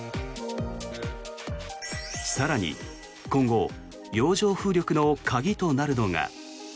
更に、今後洋上風力の鍵となるのが。